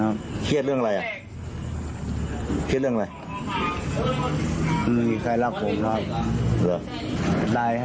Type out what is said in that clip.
ไม่มีใครรักผมครับ